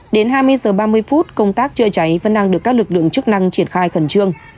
đến hai mươi h ba mươi phút công tác chữa cháy vẫn đang được các lực lượng chức năng triển khai khẩn trương